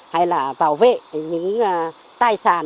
hay là bảo vệ những tài sản